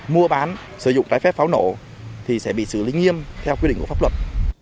mua bán sử dụng trái phép pháo nổ thì sẽ bị xử lý nghiêm theo quy định của pháp luật